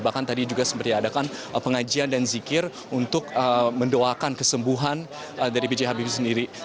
bahkan tadi juga sempat diadakan pengajian dan zikir untuk mendoakan kesembuhan dari b j habibie sendiri